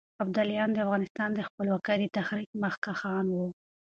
ابداليان د افغانستان د خپلواکۍ د تحريک مخکښان وو.